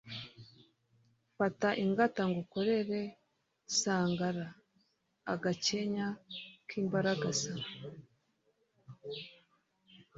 Fata ingata ngukorere sangara.-Agakenya k'imbaragasa.